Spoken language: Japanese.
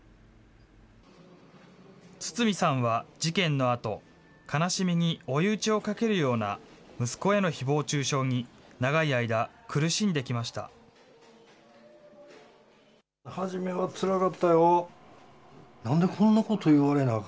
堤さんは事件のあと、悲しみに追い打ちをかけるような息子へのひぼう中傷に、長い間、苦しんできました。